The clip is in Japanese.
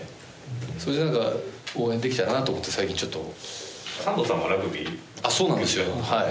それでなんか応援できたらなと思って最近ちょっと。